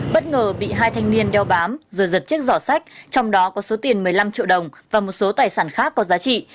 bất ngờ bị hai thanh niên đeo bám rồi giật chiếc giỏ sách trong đó có số tiền một mươi năm triệu đồng và một số tài sản khác có giá trị